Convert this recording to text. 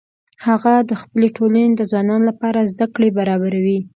هغه د خپلې ټولنې د ځوانانو لپاره زده کړې برابروي